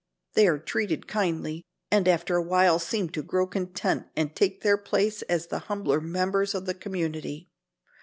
They are treated kindly, and after a while seem to grow content and take their place as the humbler members of the community.